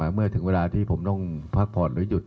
เมื่อถึงเวลาที่ผมต้องพักผ่อนหรือหยุด